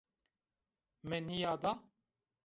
Mi nîyada